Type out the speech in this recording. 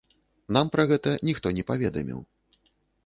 Нам пра гэта ніхто не паведаміў.